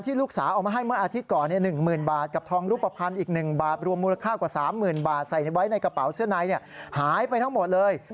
ในกระเป๋าเสื้อในหายไปทั้งหมดเลย